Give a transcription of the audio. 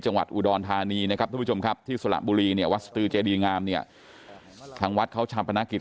จังหวัดอุดรธานีนะครับทุกผู้ชมครับที่สระบุรีเนี่ยวัดสตือเจดีงามเนี่ยทางวัดเขาชาปนกิจ